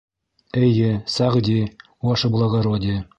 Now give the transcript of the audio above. — Эйе, Сәғди, Ваше благородие!